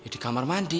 di kamar mandi